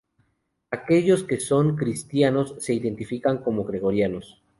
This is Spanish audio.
Aquellos que son cristianos se identifican como georgianos.